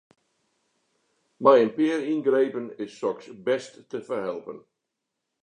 Mei in pear yngrepen is soks bêst te ferhelpen.